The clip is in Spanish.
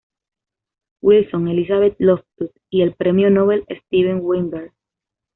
Wilson, Elizabeth Loftus y el premio Nobel Steven Weinberg.